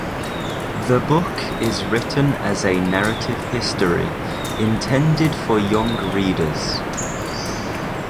The book is written as a narrative history intended for young readers.